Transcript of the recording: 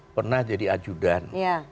pernah jadi ajudan